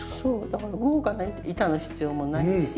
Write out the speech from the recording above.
だから豪華な板の必要もないし。